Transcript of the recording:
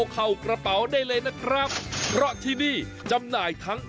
เข้ากระเป๋าได้เลยนะครับเพราะที่นี่จำหน่ายทั้ง